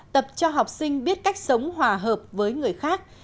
tập cho học sinh biết cách sống hòa hợp với người khác